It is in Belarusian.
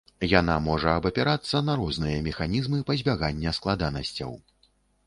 Яна можа абапірацца на розныя механізмы пазбягання складанасцяў.